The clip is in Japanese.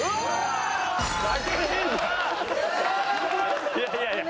いやいやいや。